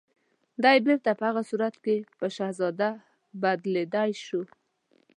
دی بيرته په هغه صورت کې په شهزاده بدليدای شو